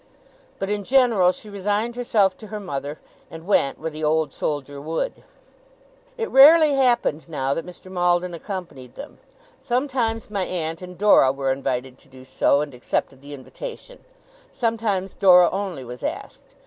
But in general she resigned herself to her mother, and went where the Old Soldier would. It rarely happened now that Mr. Maldon accompanied them. Sometimes my aunt and Dora were invited to do so, and accepted the invitation. Sometimes Dora only was asked.